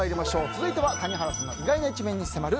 続いては谷原さんの意外な一面に迫る